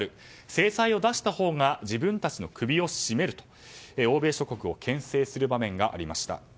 制裁を出したほうが自分たちの首を絞めると欧米諸国を牽制する場面がありました。